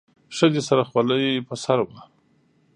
ښځې سره خولۍ په سر وه.